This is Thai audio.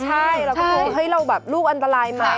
ใช่เราก็ต้องการว่าลูกอันตรายไหม